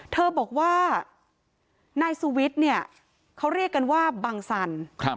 เธอบอกว่านายสุวิทย์เนี่ยเขาเรียกกันว่าบังสัน